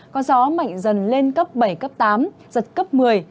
có gió mạnh dần lên cấp bảy cấp tám giật cấp một mươi